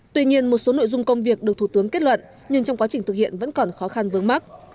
tuy nhiên một số nội dung công việc được thủ tướng kết luận nhưng trong quá trình thực hiện vẫn còn khó khăn vướng mắt